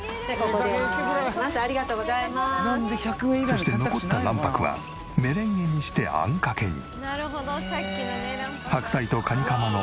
そして残った卵白はメレンゲにしてあんかけに。